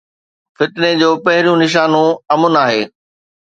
فتني جو پهريون نشانو امن آهي.